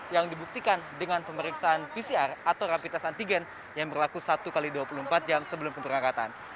yang dibuktikan dengan pemeriksaan pcr atau rapid test antigen yang berlaku satu x dua puluh empat jam sebelum keberangkatan